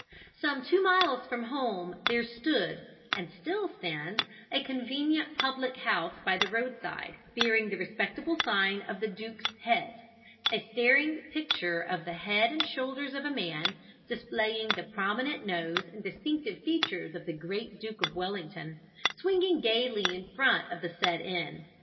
Some two miles from home there stood (and still stands) a convenient public house by the road side, bearing the respectable sign of "The Duke's Head," a staring picture of the head and shoulders of a man, displaying the prominent nose and distinctive features of the great Duke of Wellington, swinging gaily in front of the said inn.